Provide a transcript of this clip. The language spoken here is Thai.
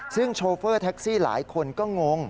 ซึ่งโชเฟอร์แท็กซี่หลายคนก็งง